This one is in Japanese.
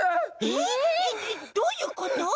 えっえっどういうこと？